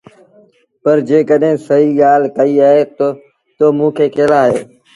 پر جيڪڏهينٚ سهيٚ ڳآل ڪئيٚ اهي تا تو موٚنٚ کي ڪݩهݩ لآ هݩيو؟